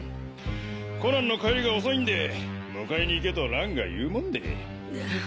コナンの帰りが遅いんで迎えに行けと蘭が言うもんで。